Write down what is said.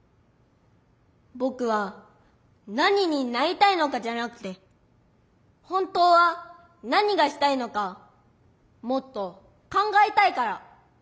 ぼくは何になりたいのかじゃなくて本当は何がしたいのかもっと考えたいから。